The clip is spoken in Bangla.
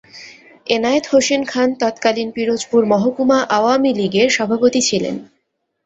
এনায়েত হোসেন খান তৎকালীন পিরোজপুর মহকুমা আওয়ামী লীগের সভাপতি ছিলেন।